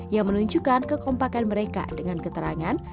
yang menunjukkan kekompakan mereka dengan keterangan